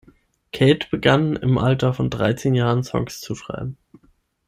Kate begann im Alter von dreizehn Jahren, Songs zu schreiben.